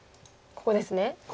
ここです。